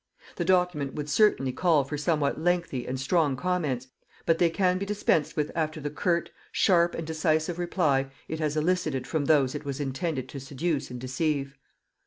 The document would certainly call for somewhat lengthy and strong comments, but they can be dispensed with after the curt, sharp and decisive reply it has elicited from those it was intended to seduce and deceive.